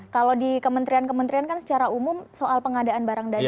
kalau di kementerian kementerian kan secara umum soal pengadaan barang dan jasa